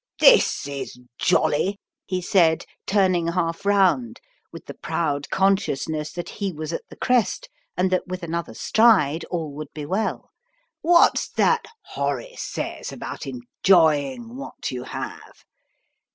"This is jolly," he said, turning half round, with the proud consciousness that he was at the crest and that with another stride all would be well; "what's that Horace says about enjoying what you have?"